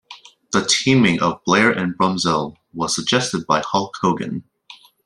The teaming of Blair and Brunzell was suggested by Hulk Hogan.